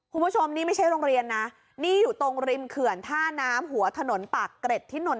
คุณผู้ชมนี่ไม่ใช่โรงเรียนนะนี่อยู่ตรงริมเขื่อนท่าน้ำหัวถนนปากเกร็ดที่นนท